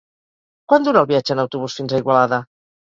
Quant dura el viatge en autobús fins a Igualada?